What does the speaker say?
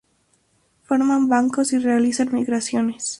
Forman bancos y realizan migraciones.